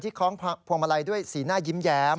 คล้องพวงมาลัยด้วยสีหน้ายิ้มแย้ม